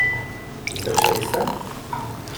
Zdrželi se?